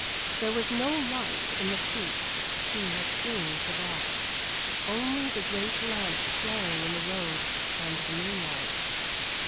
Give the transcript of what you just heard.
There was no light in the coupé he had seen to that only the great lamps flaring in the road and the moonlight.